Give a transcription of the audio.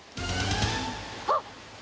あっ！